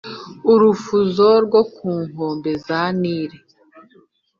Urufunzo rwo ku nkombe za Nili,